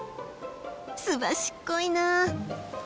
すばしっこいなあ！